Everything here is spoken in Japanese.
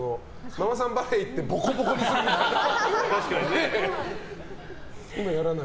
ママさんバレー行ってぼこぼこにするみたいな。